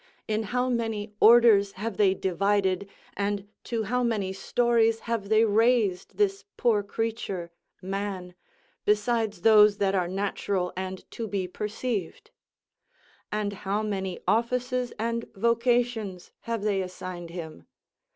in how many orders have they divided, and to how many stories have they raised this poor creature, man, besides those that are natural and to be perceived? And how many offices and vocations have they assigned him?